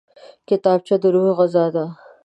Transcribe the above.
کتابچه د روح غذا ده